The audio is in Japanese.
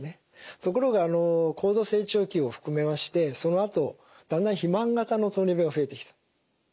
ところが高度成長期を含めましてそのあとだんだん肥満型の糖尿病が増えてきている。